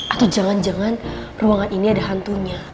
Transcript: atau jangan jangan ruangan ini ada hantunya